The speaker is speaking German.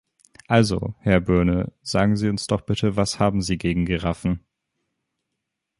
Also, Herr Byrne, sagen Sie uns doch bitte, was haben Sie gegen Giraffen?